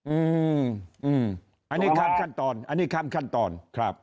อืมอันนี้ข้ามขั้นตอนอันนี้ข้ามขั้นตอนครับ